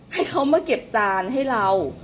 ให้เขามาเก็บจานให้เรา